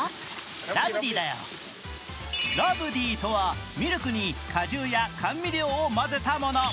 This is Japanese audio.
ラブディとはミルクに果汁や甘味料を混ぜたもの。